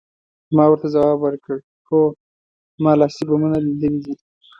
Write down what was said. ما ورته ځواب ورکړ، هو، ما لاسي بمونه لیدلي دي.